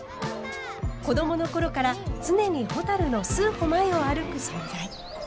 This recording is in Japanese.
子どもの頃から常にほたるの数歩前を歩く存在。